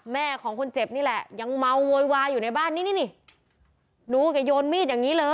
แม่ของคนเจ็บนี่แหละยังเมาโวยวายอยู่ในบ้านนี่นี่